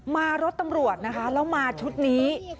รถตำรวจนะคะแล้วมาชุดนี้